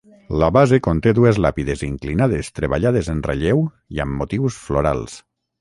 La base conté dues làpides inclinades treballades en relleu i amb motius florals.